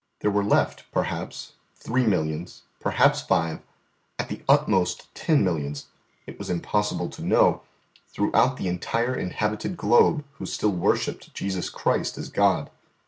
There were left, perhaps, three millions, perhaps five, at the utmost ten millions it was impossible to know throughout the entire inhabited globe who still worshipped Jesus Christ as God.